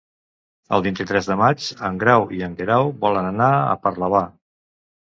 El vint-i-tres de maig en Grau i en Guerau volen anar a Parlavà.